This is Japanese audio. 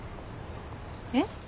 えっ？